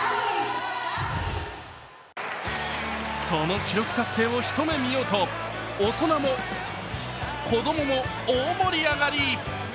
その記録達成を一目見ようと、大人も子供も大盛り上がり。